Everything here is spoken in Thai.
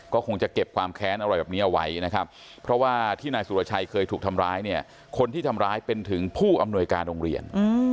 ก็คงจะเก็บความแค้นอะไรแบบนี้เอาไว้นะครับเพราะว่าที่นายสุรชัยเคยถูกทำร้ายเนี่ยคนที่ทำร้ายเป็นถึงผู้อำนวยการโรงเรียน